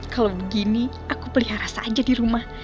kalau begini aku pelihara saja di rumah